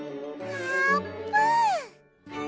あーぷん！